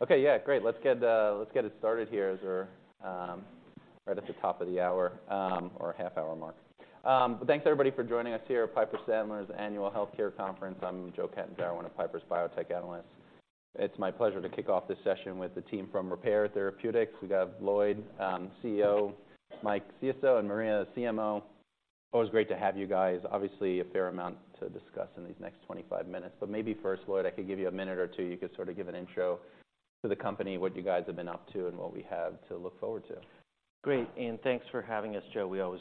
Okay, yeah, great. Let's get, let's get it started here as we're right at the top of the hour, or half-hour mark. But thanks, everybody, for joining us here at Piper Sandler Annual Healthcare Conference. I'm Joe Catanzaro, one of Piper's Biotech Analysts. It's my pleasure to kick off this session with the team from Repare Therapeutics. We've got Lloyd, CEO; Mike, CSO; and Maria, CMO. Always great to have you guys. Obviously, a fair amount to discuss in these next 25 minutes, but maybe first, I could give you a minute or two. You could sort of give an intro to the company, what you guys have been up to, and what we have to look forward to. Great, and thanks for having us, Joe. We always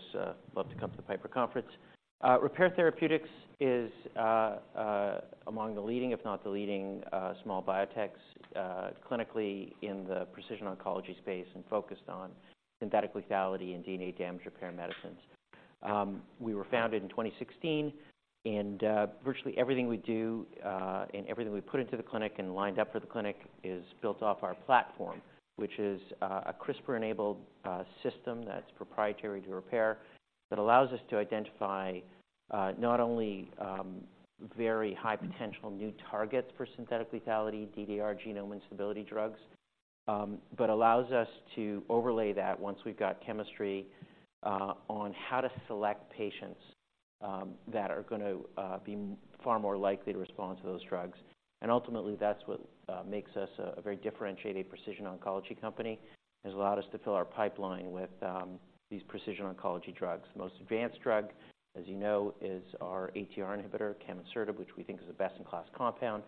love to come to the Piper conference. Repare Therapeutics is among the leading, if not the leading, small biotechs, clinically in the precision oncology space and focused on synthetic lethality and DNA damage repair medicines. We were founded in 2016, and virtually everything we do, and everything we've put into the clinic and lined up for the clinic is built off our platform, which is a CRISPR-enabled system that's proprietary to Repare, that allows us to identify not only very high potential new targets for synthetic lethality, DDR, genome instability drugs, but allows us to overlay that once we've got chemistry on how to select patients that are going to be far more likely to respond to those drugs. Ultimately, that's what makes us a very differentiated Precision Oncology company. It's allowed us to fill our pipeline with these Precision Oncology drugs. Most advanced drug, as you know, is our ATR inhibitor, camonsertib, which we think is the best-in-class compound.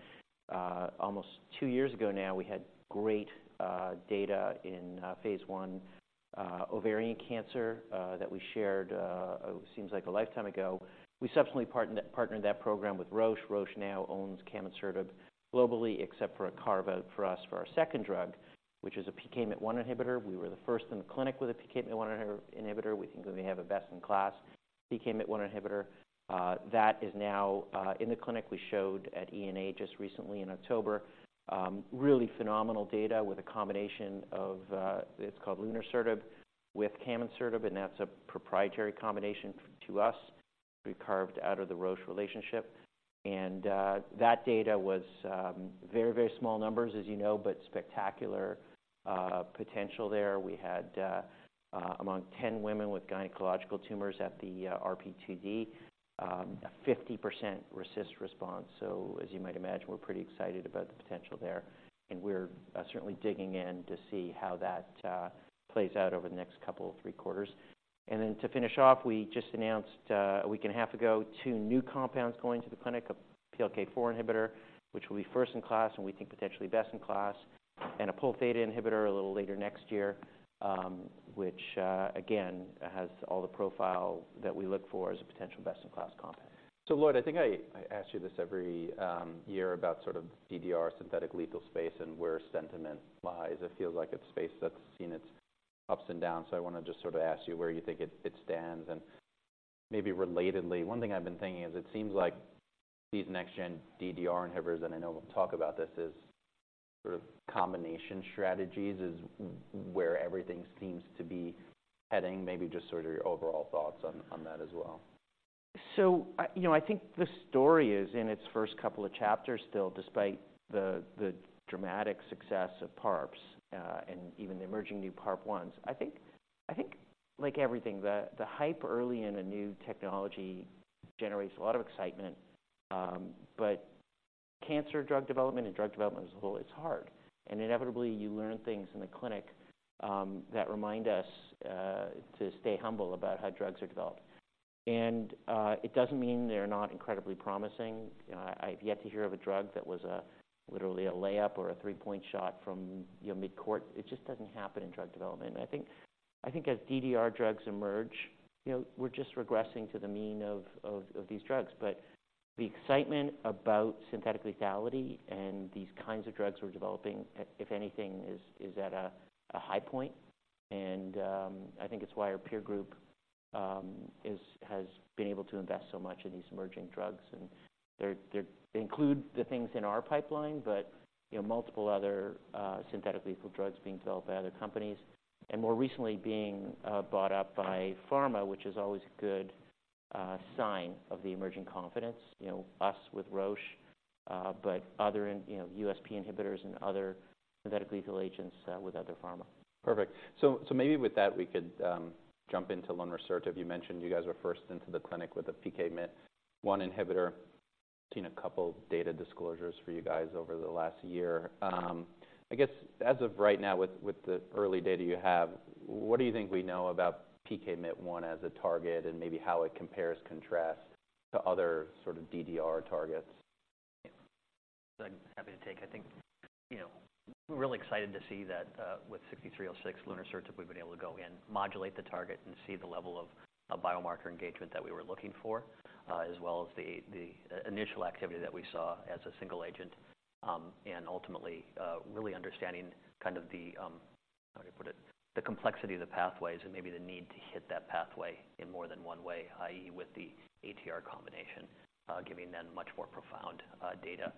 Almost two years ago now, we had great data in Phase I ovarian cancer that we shared. It seems like a lifetime ago. We subsequently partnered that program with Roche. Roche now owns camonsertib globally, except for a carve-out for us for our second drug, which is a PKMYT1 inhibitor. We were the first in the clinic with a PKMYT1 inhibitor. We think we have a best-in-class PKMYT1 inhibitor that is now in the clinic. We showed at ENA just recently in October, really phenomenal data with a combination of, It's called lunresertib with camonsertib, and that's a proprietary combination to us. We carved out of the Roche relationship. That data was, very, very small numbers, as you know, but spectacular, potential there. We had, among 10 women with gynecological tumors at the, RP2D, a 50% RECIST response. So as you might imagine, we're pretty excited about the potential there, and we're, certainly digging in to see how that, plays out over the next couple of three quarters. And then, to finish off, we just announced a week and a half ago two new compounds going to the clinic, a PLK4 inhibitor, which will be first-in-class, and we think potentially best-in-class, and a Pol-theta inhibitor a little later next year, which again has all the profile that we look for as a potential best-in-class compound. So Lloyd, I think I ask you this every year about sort of DDR synthetic lethal space and where sentiment lies. It feels like it's a space that's seen its ups and downs, so I want to just sort of ask you where you think it stands. And maybe relatedly, one thing I've been thinking is it seems like these next-gen DDR inhibitors, and I know we'll talk about this, is sort of combination strategies is where everything seems to be heading. Maybe just sort of your overall thoughts on that as well. You know, I think the story is in its first couple of chapters still, despite the dramatic success of PARPs, and even the emerging new PARP1s. I think like everything, the hype early in a new technology generates a lot of excitement, but cancer drug development and drug development as a whole, it's hard. And inevitably, you learn things in the clinic that remind us to stay humble about how drugs are developed. And it doesn't mean they're not incredibly promising. I've yet to hear of a drug that was literally a layup or a three-point shot from, you know, mid-court. It just doesn't happen in drug development. I think as DDR drugs emerge, you know, we're just regressing to the mean of these drugs. But the excitement about synthetic lethality and these kinds of drugs we're developing, if anything, is at a high point, and I think it's why our peer group has been able to invest so much in these emerging drugs. And they include the things in our pipeline, but you know, multiple other synthetic lethal drugs being developed by other companies, and more recently being bought up by pharma, which is always a good sign of the emerging confidence, you know, us with Roche, but other in, you know, USP inhibitors and other synthetic lethal agents with other pharma. Perfect. So, so maybe with that, we could jump into lunresertib. You mentioned you guys were first into the clinic with a PKMYT1 inhibitor. Seen a couple data disclosures for you guys over the last year. I guess as of right now, with, with the early data you have, what do you think we know about PKMYT1 as a target, and maybe how it compares, contrasts to other sort of DDR targets? I'm happy to take. I think, you know, we're really excited to see that, with 6306, lunresertib, we've been able to go in, modulate the target, and see the level of biomarker engagement that we were looking for, as well as the initial activity that we saw as a single agent. And ultimately, really understanding kind of the, how do I put it? The complexity of the pathways and maybe the need to hit that pathway in more than one way, i.e., with the ATR combination, giving then much more profound data,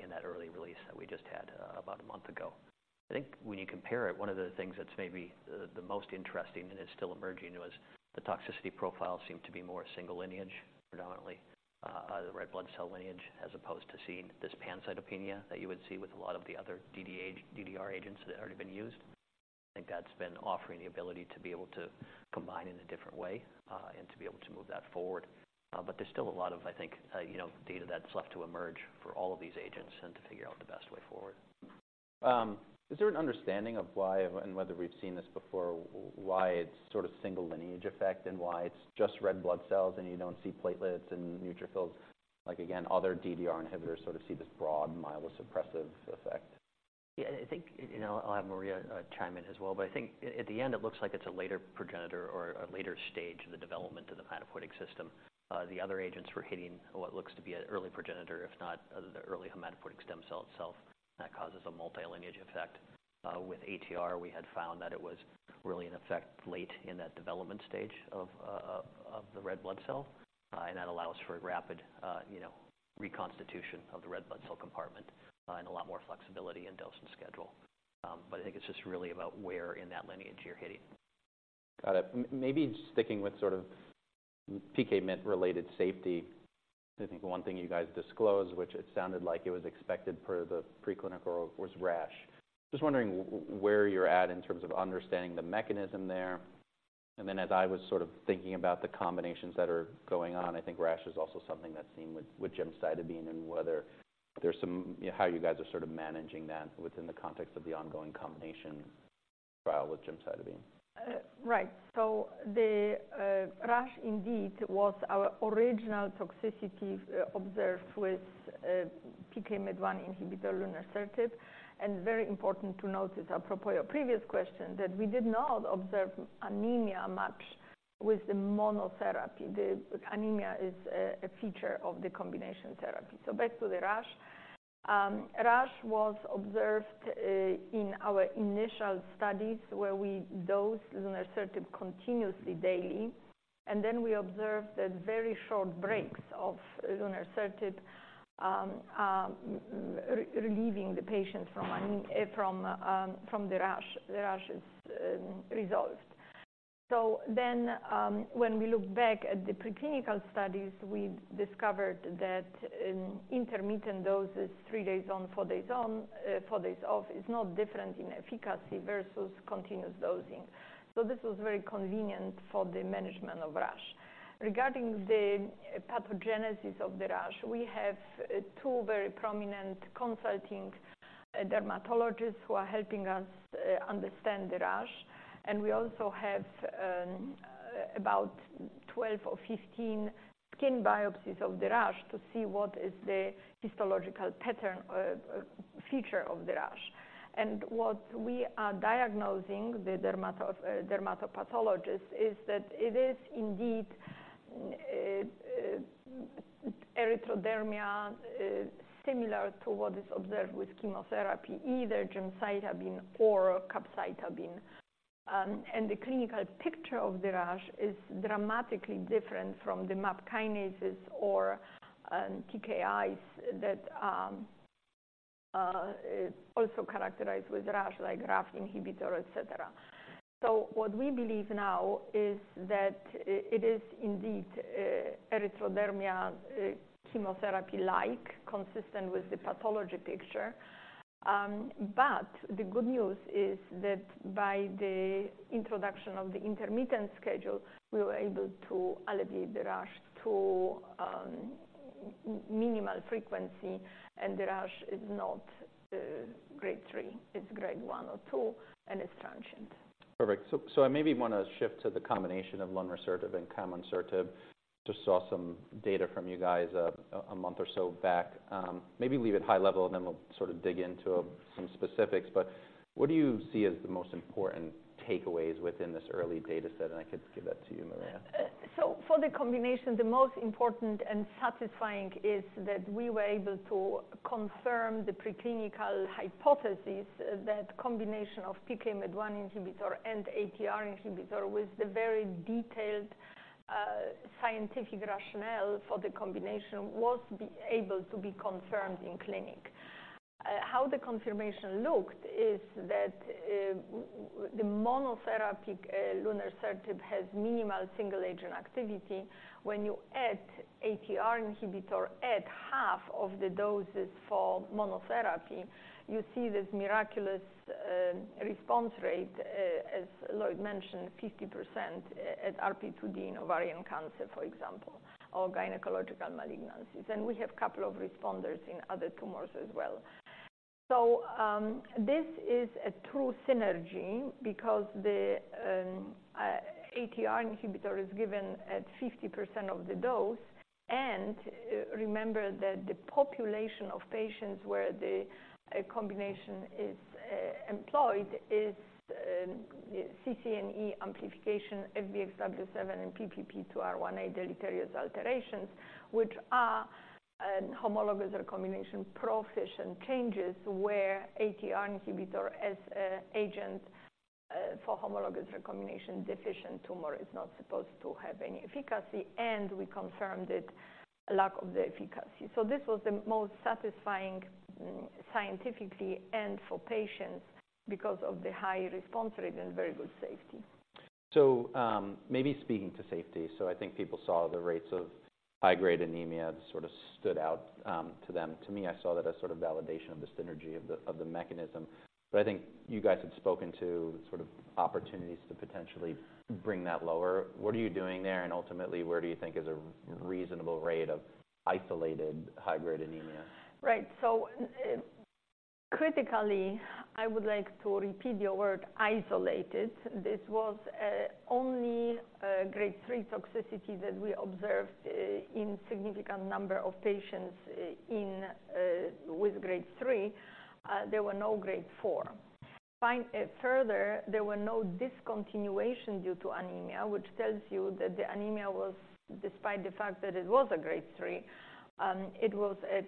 in that early release that we just had, about a month ago. I think when you compare it, one of the things that's maybe the most interesting and is still emerging was the toxicity profile seemed to be more single lineage, predominantly, the red blood cell lineage, as opposed to seeing this pancytopenia that you would see with a lot of the other DDR agents that have already been used. I think that's been offering the ability to be able to combine in a different way, and to be able to move that forward. But there's still a lot of, I think, you know, data that's left to emerge for all of these agents and to figure out the best way forward. Is there an understanding of why, and whether we've seen this before, why it's sort of single lineage effect, and why it's just red blood cells, and you don't see platelets and neutrophils? Like, again, other DDR inhibitors sort of see this broad myelosuppressive effect. Yeah, I think, you know, I'll have Maria chime in as well. But I think at the end, it looks like it's a later progenitor or a later stage in the development of the hematopoietic system. The other agents were hitting what looks to be an early progenitor, if not the early hematopoietic stem cell itself, that causes a multi-lineage effect. With ATR, we had found that it was really in effect late in that development stage of the red blood cell, and that allows for a rapid, you know, reconstitution of the red blood cell compartment, and a lot more flexibility in dose and schedule. But I think it's just really about where in that lineage you're hitting. Got it. Maybe sticking with sort of PKMYT1-related safety, I think one thing you guys disclosed, which it sounded like it was expected per the preclinical, was rash. Just wondering where you're at in terms of understanding the mechanism there. And then, as I was sort of thinking about the combinations that are going on, I think rash is also something that's seen with gemcitabine, and whether there's some how you guys are sort of managing that within the context of the ongoing combination trial with gemcitabine. Right. So the rash indeed was our original toxicity observed with PKMYT1 inhibitor, lunresertib. And very important to note, it's apropos your previous question, that we did not observe anemia much with the monotherapy. The anemia is a feature of the combination therapy. So back to the rash. Rash was observed in our initial studies, where we dosed lunresertib continuously daily, and then we observed that very short breaks of lunresertib relieving the patient from the rash. The rash is resolved. So then, when we look back at the preclinical studies, we discovered that intermittent doses, three days on, four days off, is not different in efficacy versus continuous dosing. So this was very convenient for the management of rash. Regarding the pathogenesis of the rash, we have two very prominent consulting dermatologists who are helping us understand the rash, and we also have about 12 or 15 skin biopsies of the rash to see what is the histological pattern feature of the rash. And what we are diagnosing, the dermatopathologist, is that it is indeed erythroderma similar to what is observed with chemotherapy, either gemcitabine or capecitabine. And the clinical picture of the rash is dramatically different from the MAP kinases or TKIs that is also characterized with rash, like RAF inhibitor, etc. So what we believe now is that it is indeed erythroderma chemotherapy-like, consistent with the pathology picture. But the good news is that by the introduction of the intermittent schedule, we were able to alleviate the rash to minimal frequency, and the rash is not grade 3, it's grade 1 or 2, and it's transient. Perfect. So, so I maybe want to shift to the combination of lunresertib and camonsertib. Just saw some data from you guys a month or so back. Maybe leave it high level, and then we'll sort of dig into some specifics. But what do you see as the most important takeaways within this early data set? And I could give that to you, Maria. So for the combination, the most important and satisfying is that we were able to confirm the preclinical hypothesis, that combination of PKMYT1 inhibitor and ATR inhibitor, with the very detailed scientific rationale for the combination, was able to be confirmed in clinic. How the confirmation looked is that the monotherapy lunresertib has minimal single-agent activity. When you add ATR inhibitor at half of the doses for monotherapy, you see this miraculous response rate, as Lloyd mentioned, 50% at RP2D in ovarian cancer, for example, or gynecological malignancies, and we have a couple of responders in other tumors as well. So this is a true synergy because the ATR inhibitor is given at 50% of the dose. Remember that the population of patients where the combination is employed is CCNE1 amplification, FBXW7 and PPP2R1A deleterious alterations, which are homologous recombination proficient changes, where ATR inhibitor as a agent for homologous recombination deficient tumor is not supposed to have any efficacy, and we confirmed it, lack of the efficacy. So this was the most satisfying scientifically and for patients because of the high response rate and very good safety. So, maybe speaking to safety, so I think people saw the rates of high-grade anemia sort of stood out to them. To me, I saw that as sort of validation of the, of the mechanism. But I think you guys had spoken to sort of opportunities to potentially bring that lower. What are you doing there, and ultimately, where do you think is a reasonable rate of isolated high-grade anemia? Right. So, critically, I would like to repeat your word, isolated. This was only a Grade 3 toxicity that we observed in significant number of patients with Grade 3. There were no Grade 4. And further, there were no discontinuation due to anemia, which tells you that the anemia was, despite the fact that it was a Grade 3, it was a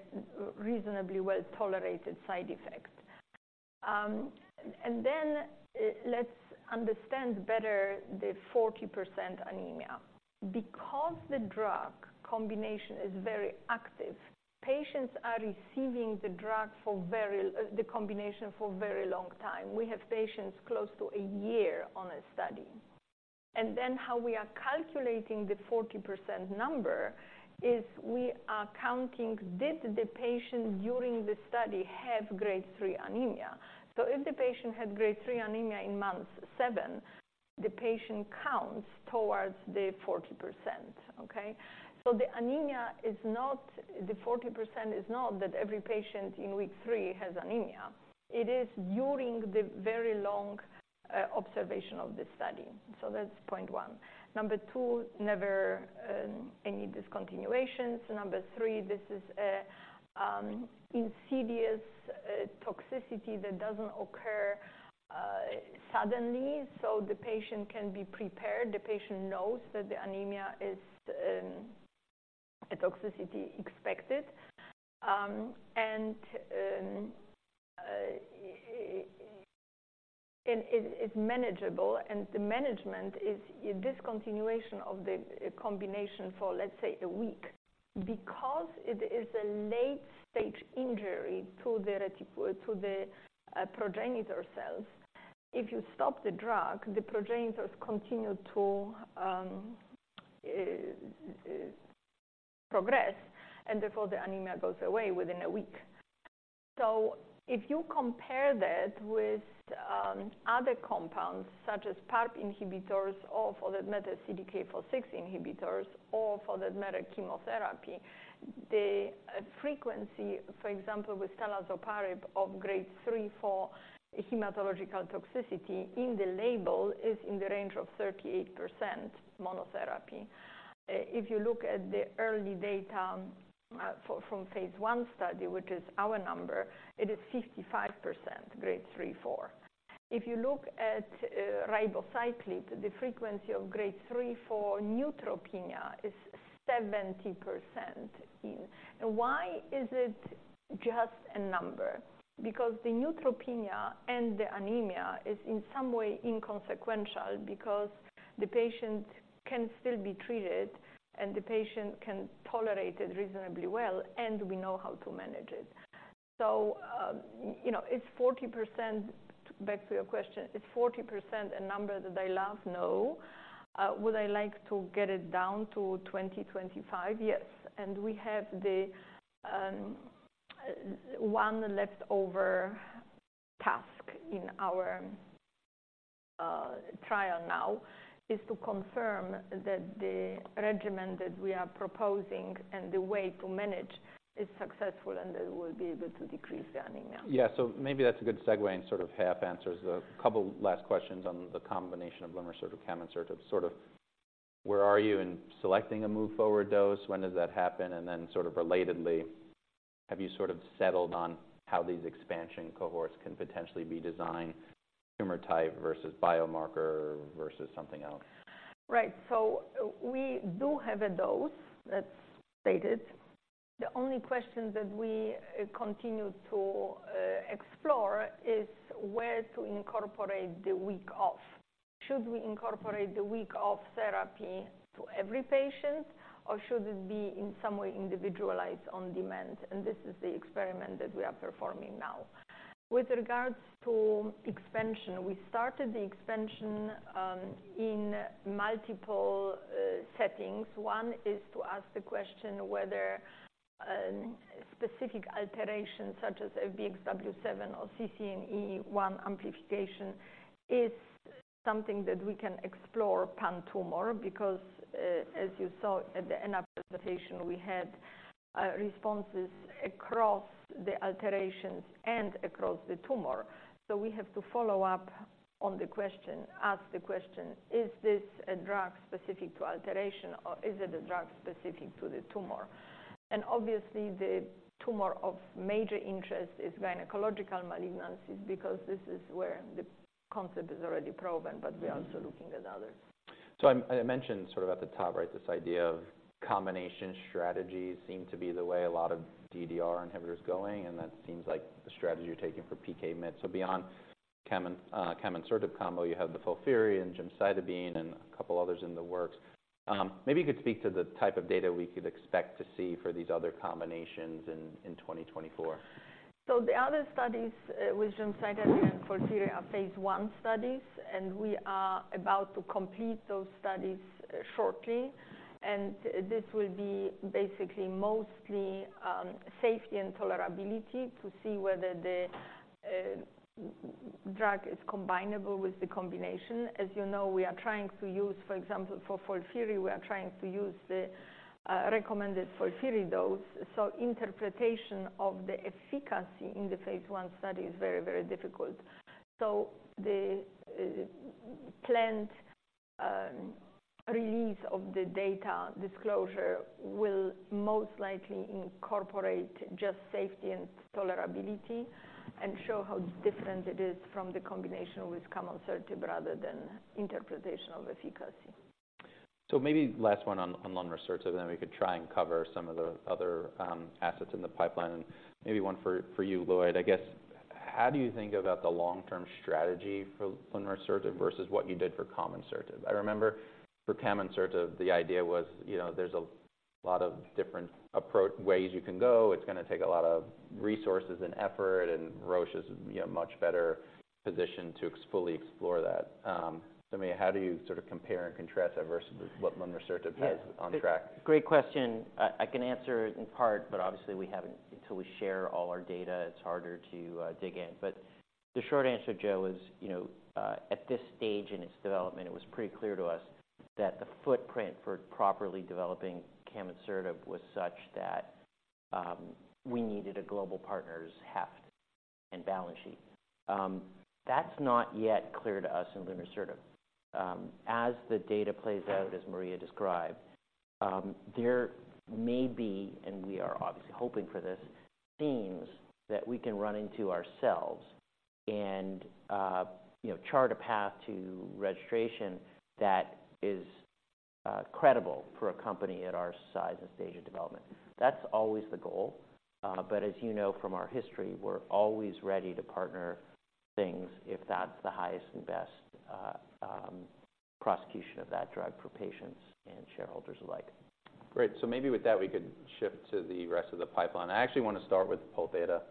reasonably well-tolerated side effect. And then, let's understand better the 40% anemia. Because the drug combination is very active, patients are receiving the combination for a very long time. We have patients close to a year on a study. And then how we are calculating the 40% number is we are counting, did the patient during the study have Grade 3 anemia? So if the patient had grade 3 anemia in month seven, the patient counts towards the 40%, okay? So the anemia is not, the 40% is not that every patient in week three has anemia. It is during the very long observation of this study. So that's point one. Number two, never any discontinuations. Number three, this is a insidious toxicity that doesn't occur suddenly, so the patient can be prepared. The patient knows that the anemia is a toxicity expected, and it is manageable, and the management is a discontinuation of the combination for, let's say, a week. Because it is a late-stage injury to the progenitor cells, if you stop the drug, the progenitors continue to progress, and therefore, the anemia goes away within a week. So if you compare that with other compounds, such as PARP inhibitors, or for that matter, CDK4/6 inhibitors, or for that matter, chemotherapy, the frequency, for example, with talazoparib of grade 3 for hematological toxicity in the label is in the range of 38% monotherapy. If you look at the early data for from Phase I study, which is our number, it is 55% grade 3, 4. If you look at ribociclib, the frequency of grade 3 for neutropenia is 70% in. Why is it just a number? Because the neutropenia and the anemia is in some way inconsequential, because the patient can still be treated, and the patient can tolerate it reasonably well, and we know how to manage it. So you know, it's 40%, back to your question, it's 40% a number that I love? No. Would I like to get it down to 20, 25? Yes. And we have the one left over task in our trial now, is to confirm that the regimen that we are proposing and the way to manage is successful, and that we'll be able to decrease the anemia. Yeah. So maybe that's a good segue and sort of half answers a couple last questions on the combination of lunresertib, camonsertib. Sort of where are you in selecting a move forward dose? When does that happen? And then sort of relatedly, have you sort of settled on how these expansion cohorts can potentially be designed, tumor type versus biomarker versus something else? Right. So we do have a dose that's stated. The only question that we continue to explore is where to incorporate the week off. Should we incorporate the week off therapy to every patient, or should it be in some way individualized on demand? And this is the experiment that we are performing now. With regards to expansion, we started the expansion in multiple settings. One is to ask the question whether specific alterations such as FBXW7 or CCNE1 amplification is something that we can explore pan-tumor, because as you saw at the end of presentation, we had responses across the alterations and across the tumor. So we have to follow up on the question, ask the question, is this a drug specific to alteration, or is it a drug specific to the tumor? Obviously, the tumor of major interest is gynecological malignancies, because this is where the concept is already proven, but we are also looking at others. So I mentioned sort of at the top, right, this idea of combination strategies seem to be the way a lot of DDR inhibitors going, and that seems like the strategy you're taking for PKMYT1. So beyond camonsertib combo, you have the FOLFIRI and gemcitabine, and a couple others in the works. Maybe you could speak to the type of data we could expect to see for these other combinations in 2024. So the other studies with gemcitabine and FOLFIRI are Phase I studies, and we are about to complete those studies shortly. And this will be basically mostly safety and tolerability, to see whether the drug is combinable with the combination. As you know, we are trying to use. For example, for FOLFIRI, we are trying to use the recommended FOLFIRI dose, so interpretation of the efficacy in the phase I study is very, very difficult. So the planned release of the data disclosure will most likely incorporate just safety and tolerability, and show how different it is from the combination with camonsertib, rather than interpretation of efficacy. So maybe last one on lunresertib, and then we could try and cover some of the other assets in the pipeline. And maybe one for you, Lloyd. I guess, how do you think about the long-term strategy for lunresertib versus what you did for camonsertib? I remember for camonsertib, the idea was, you know, there's a lot of different ways you can go. It's gonna take a lot of resources and effort, and Roche is, you know, much better positioned to fully explore that. So, I mean, how do you sort of compare and contrast that versus what lunresertib has on track? Yeah. Great question. I can answer it in part, but obviously, we haven't, until we share all our data, it's harder to dig in. But the short answer, Joe, is, you know, at this stage in its development, it was pretty clear to us that the footprint for properly developing camonsertib was such that we needed a global partner's heft and balance sheet. That's not yet clear to us in lunresertib. As the data plays out, as Maria described, there may be, and we are obviously hoping for this, themes that we can run into ourselves and, you know, chart a path to registration that is credible for a company at our size and stage of development. That's always the goal, but as you know from our history, we're always ready to partner things if that's the highest and best prosecution of that drug for patients and shareholders alike. Great. So maybe with that, we could shift to the rest of the pipeline. I actually want to start with Pol-theta,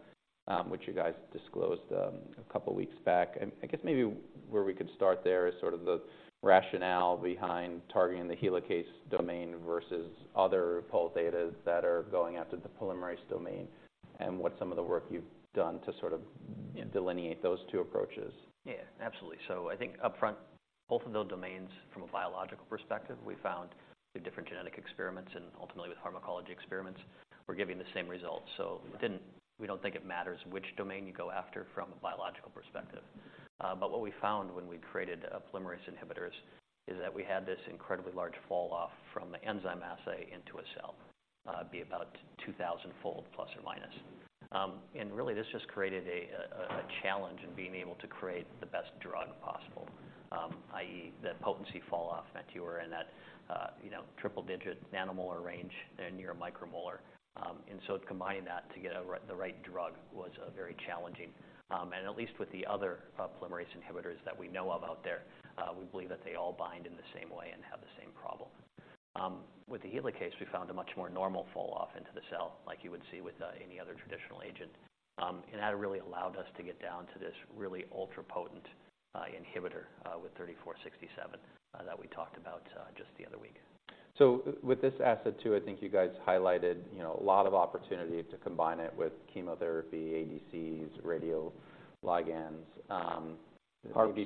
which you guys disclosed a couple weeks back. And I guess maybe where we could start there is sort of the rationale behind targeting the helicase domain versus other Pol-theta that are going after the polymerase domain, and what's some of the work you've done to sort of, you know, delineate those two approaches. Yeah, absolutely. So I think upfront, both of those domains from a biological perspective, we found the different genetic experiments and ultimately, the pharmacology experiments were giving the same results. So it didn't, we don't think it matters which domain you go after from a biological perspective. But what we found when we created a polymerase inhibitors is that we had this incredibly large falloff from the enzyme assay into a cell, be about 2000-fold plus or minus. And really, this just created a challenge in being able to create the best drug possible, i.e., the potency falloff meant you were in that, you know, triple-digit nanomolar range and near micromolar. And so to combine that to get the right drug was very challenging. At least with the other polymerase inhibitors that we know of out there, we believe that they all bind in the same way and have the same problem. With the helicase, we found a much more normal falloff into the cell, like you would see with any other traditional agent. And that really allowed us to get down to this really ultra-potent inhibitor with RP-3467 that we talked about just the other week. So with this asset, too, I think you guys highlighted, you know, a lot of opportunity to combine it with chemotherapy, ADCs, radioligands, PARP.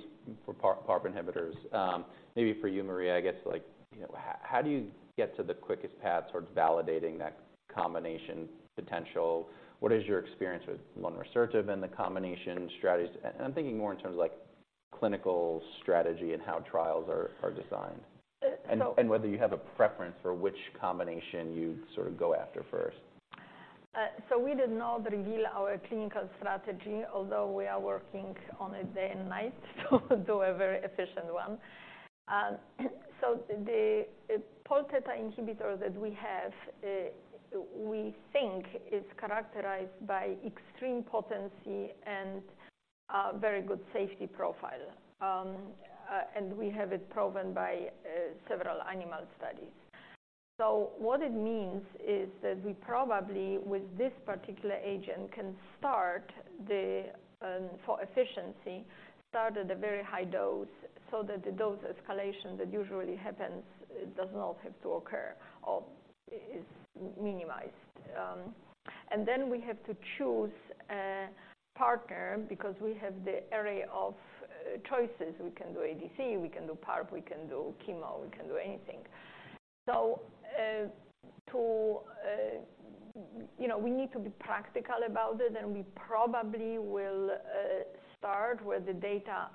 For PARP, PARP inhibitors. Maybe for you, Maria, I guess, like, you know, how do you get to the quickest path towards validating that combination potential? What is your experience with lunresertib and the combination strategies? And I'm thinking more in terms of like clinical strategy and how trials are designed. And whether you have a preference for which combination you'd sort of go after first? So we did not reveal our clinical strategy, although we are working on it day and night, so do a very efficient one. So the Pol-theta inhibitor that we have, we think is characterized by extreme potency and very good safety profile. And we have it proven by several animal studies. So what it means is that we probably, with this particular agent, can start the, for efficiency, start at a very high dose, so that the dose escalation that usually happens does not have to occur or is minimized. And then we have to choose a partner, because we have the array of choices. We can do ADC, we can do PARP, we can do chemo, we can do anything. You know, we need to be practical about it, and we probably will start with the data,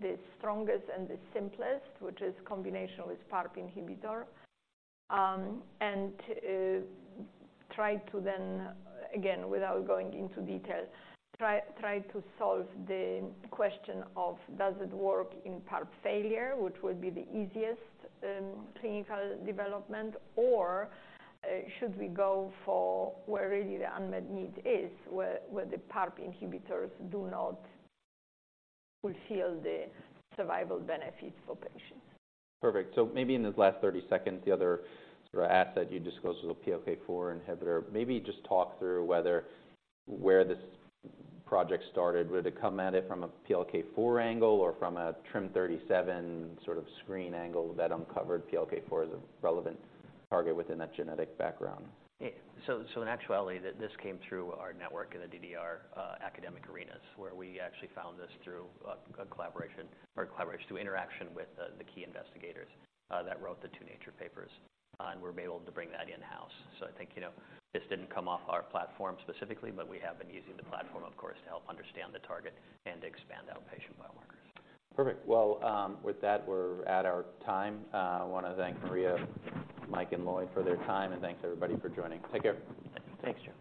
the strongest and the simplest, which is combination with PARP inhibitor. And try to then, again, without going into detail, try, try to solve the question of, does it work in PARP failure, which would be the easiest clinical development, or should we go for where really the unmet need is, where, where the PARP inhibitors do not fulfill the survival benefits for patients? Perfect. So maybe in this last 30 seconds, the other sort of asset you disclosed was a PLK4 inhibitor. Maybe just talk through whether, where this project started. Would it come at it from a PLK4 angle or from a TRIM37 sort of screen angle that uncovered PLK4 as a relevant target within that genetic background? Yeah. So in actuality, this came through our network in the DDR, academic arenas, where we actually found this through a collaboration through interaction with the key investigators that wrote the two nature papers, and we're able to bring that in-house. So I think, you know, this didn't come off our platform specifically, but we have been using the platform, of course, to help understand the target and to expand out patient biomarkers. Perfect. Well, with that, we're at our time. I wanna thank Maria, Mike, and Lloyd for their time, and thanks, everybody, for joining. Take care. Thanks, Joe.